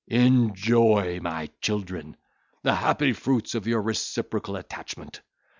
Enjoy, my children, the happy fruits of your reciprocal attachment.